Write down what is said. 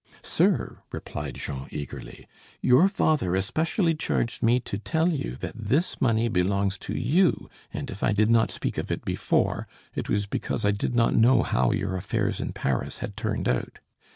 "Sir," replied Jean, eagerly, "your father especially charged me to tell you that this money belongs to you, and, if I did not speak of it before, it was because I did not know how your affairs in Paris had turned out.